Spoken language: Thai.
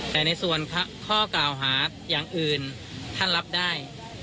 แต่ในส่วนข้อกล่าวหาอย่างอื่นท่านรับได้